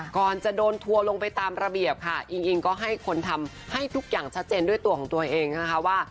ก่อนจะโดนทัวร์ลงไปตามระเบียบค่ะอิงอิงก็ให้คนทำให้ทุกอย่างชัดเจนด้วยตัวของตัวเองนะคะว่า